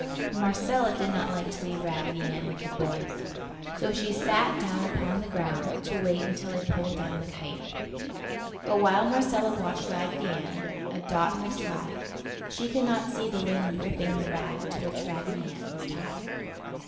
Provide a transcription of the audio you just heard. Marcella did not like to leave Raggedy Ann with the boys, so she sat down upon the ground to wait until they pulled down the kite. But while Marcella watched Raggedy Ann, a dot in the sky, she could not see the wind ripping the rag to which Raggedy was tied.